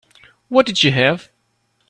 What did you have?